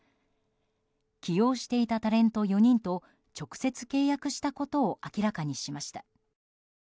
起用していたタレント４人と直接契約したことを明らかにしました。